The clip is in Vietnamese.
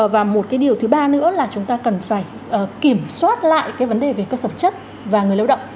và một cái điều thứ ba nữa là chúng ta cần phải kiểm soát lại cái vấn đề về cơ sở chất và người lao động